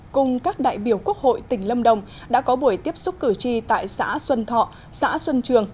cùng các đại biểu quốc hội tỉnh lâm đồng đã có buổi tiếp xúc cử tri tại xã xuân thọ xã xuân trường